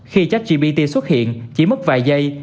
khi chách gbt xuất hiện chỉ mất vài giây